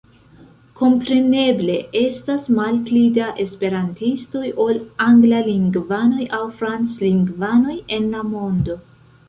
Kompreneble estas malpli da esperantistoj ol anglalingvanoj aŭ franclingvanoj en la mondo.